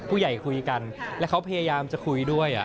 ผู้ใหญ่คุยกันและเขาพยายามจะคุยด้วย